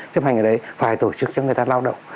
chấp hành ở đấy phải tổ chức cho người ta lao động